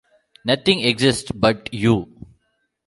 Nothing exists but you.